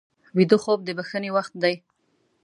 ویده خوب د بښنې وخت دی